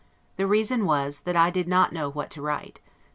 The reason was, that I did not know what to write.